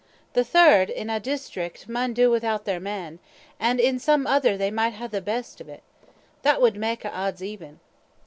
The third in ae district maun do without their man, an' in some other they micht hae the best o' it. That wad mak a' odds even."